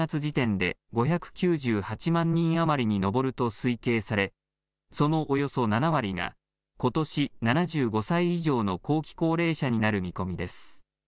おととし１０月時点で５９８万人余りに上ると推計され、そのおよそ７割がことし、７５歳以上の後期高齢者になる見込みです。